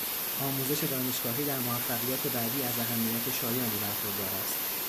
آموزش دانشگاهی در موفقیت بعدی از اهمیت شایانی برخوردار است.